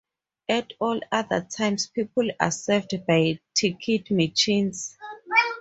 At all other times, people are served by ticket machines.